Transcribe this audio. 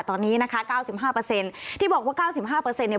ตอนนี้นะคะ๙๕ที่บอกว่า๙๕เนี่ย